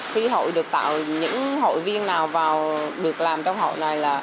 khi hội được tạo những hội viên nào được làm trong hội này